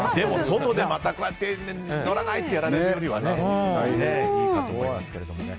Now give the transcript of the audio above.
外でまた乗らないってやられるよりはいいかと思いますけれども。